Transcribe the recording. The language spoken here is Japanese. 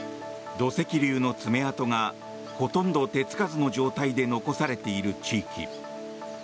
土石流の爪痕がほとんど手付かずの状態で残されている地域。